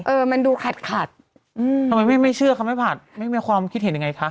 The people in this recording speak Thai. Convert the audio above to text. เออมันดูขาดขาดอืมไม่เจริญขอไม่ภาพไม่มีความคิดเห็นอย่างไรคะ